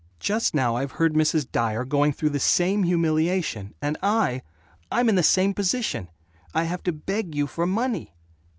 Just now I've heard Mrs. Dyer going through the same humiliation. And I I'm in the same position! I have to beg you for money.